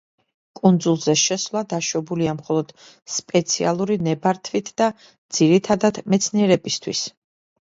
კუნძულზე შესვლა დაშვებულია მხოლოდ სპეციალური ნებართვით და ძირითადად მეცნიერებისათვის.